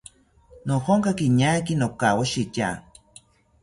Nojonkaki iñaaki nokawoshitya